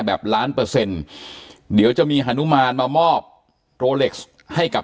ล้านเปอร์เซ็นต์เดี๋ยวจะมีฮานุมานมามอบโรเล็กซ์ให้กับ